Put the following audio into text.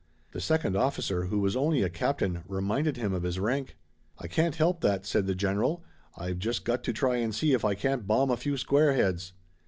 The second officer, who was only a captain, reminded him of his rank. "I can't help that," said the General, "I've just got to try and see if I can't bomb a few squareheads."